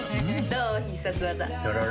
どう？